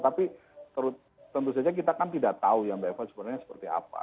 tapi tentu saja kita kan tidak tahu ya mbak eva sebenarnya seperti apa